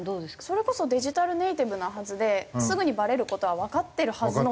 それこそデジタルネイティブなはずですぐにバレる事はわかってるはずの世代なんですよ。